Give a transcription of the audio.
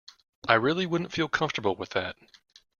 I really wouldn't feel comfortable with that.